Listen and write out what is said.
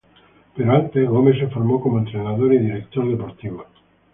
Pero antes, Gómez se formó como entrenador y director deportivo.